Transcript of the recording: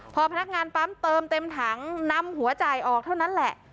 พอพนักงานปั๊มเติมเต็มถังนำหัวจ่ายออกเท่านั้นแหละ